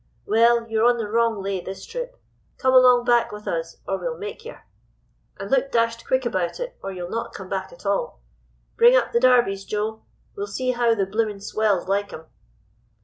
Well, you're on the wrong lay this trip. Come along back with us, or we'll make yer. "'And look dashed quick about it, or ye'll not come back at all. Bring up the darbies, Joe! We'll see how the bloomin' swells like 'em.